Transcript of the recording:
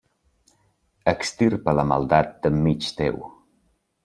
Extirpa la maldat d'enmig teu.